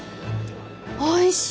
おいしい。